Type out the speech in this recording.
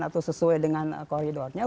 atau sesuai dengan koridornya